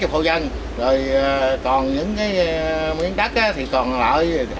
rồi còn những miếng đất thì còn ở